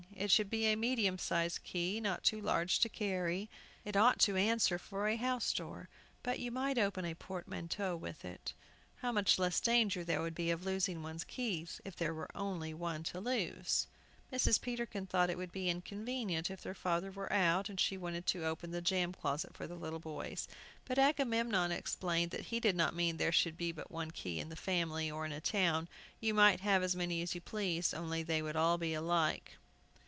It should be a medium sized key, not too large to carry. It ought to answer for a house door, but you might open a portmanteau with it. How much less danger there would be of losing one's keys if there were only one to lose! Mrs. Peterkin thought it would be inconvenient if their father were out, and she wanted to open the jam closet for the little boys. But Agamemnon explained that he did not mean there should be but one key in the family, or in a town, you might have as many as you pleased, only they should all be alike.